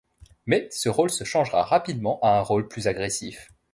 Mais ce rôle ce changera rapidement à un rôle plus agressif.